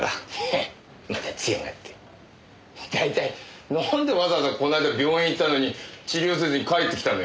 ヘッまた強がって。大体なんでわざわざこの間病院行ったのに治療せずに帰って来たのよ？